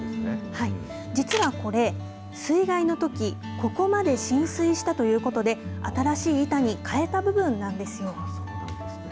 実はこれ、水害のとき、ここまで浸水したということで、新しい板に替えた部分なんですよ。